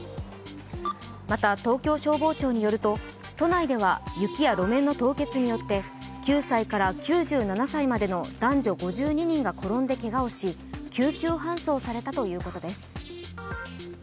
また東京消防庁によると都内では雪や路面の凍結によって９歳から９７歳までの男女５２人が転んでけがをし救急搬送されたということです。